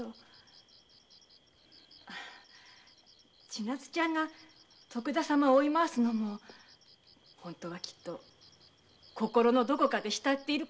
千奈津ちゃんが徳田様を追い回すのも本当はきっと心のどこかで慕っているからなんです。